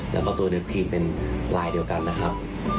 แล้วก็ตัวเดิมทีเป็นลายเดียวกันนะครับ